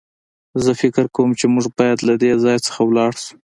زه فکر کوم چې موږ بايد له دې ځای څخه ولاړ شو.